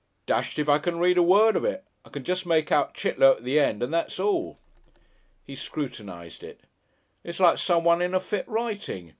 "Dashed if I can read a word of it. I can jest make out Chit low at the end and that's all." He scrutinised it. "It's like someone in a fit writing.